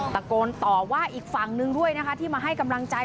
ตะโกนต่อว่าอีกฝั่งนึงด้วยนะคะที่มาให้กำลังใจ